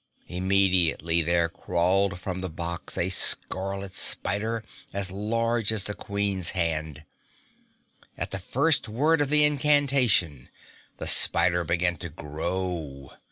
Immediately there crawled from the box a scarlet spider as large as the Queen's hand. At the first word of the incantation the spider began to grow.